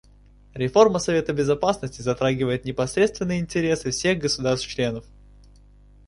Реформа Совета Безопасности затрагивает непосредственные интересы всех государств-членов.